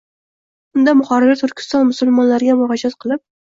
Unda muharrir Turkiston musulmonlariga murojaat qilib